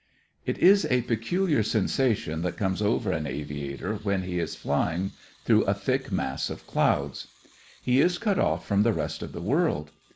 It is a peculiar sensation that comes over an aviator when he is flying through a thick mass of clouds. He is cut off from the rest of the world.